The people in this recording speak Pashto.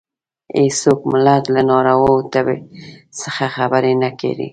هېڅوک ملت له ناروا تبې څخه خبر نه کړي.